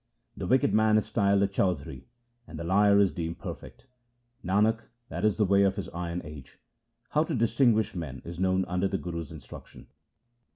The wicked man is styled a Chaudhri, and the liar is deemed perfect. Nanak, that is the way of this iron age ; how to distinguish men is known under the Guru's instruction.